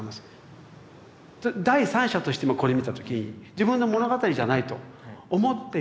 第三者として今これ見た時自分の物語じゃないと思って見て。